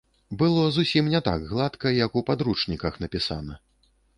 Было зусім не так гладка, як у падручніках напісана.